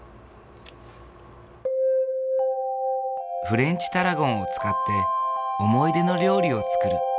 フレンチタラゴンを使って思い出の料理を作る。